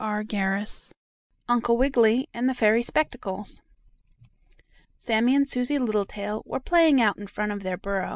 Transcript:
XXIX UNCLE WIGGILY AND THE FAIRY SPECTACLES Sammie and Susie Littletail were playing out in front of their burrow.